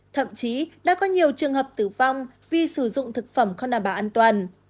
thậm chí đã có nhiều trường hợp tử vong vì sử dụng thực phẩm không đảm bảo an toàn